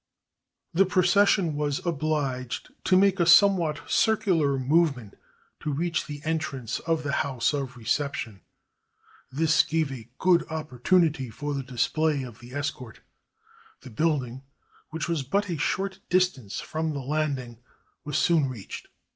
The procession was obhged to make a somewhat cir cular movement to reach the entrance of the house of reception. This gave a good opportunity for the display of the escort. The building, which was but a short dis 433 JAPAN tance from the landing, was soon reached.